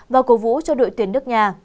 và cố vũ cho đội tuyển nước nhà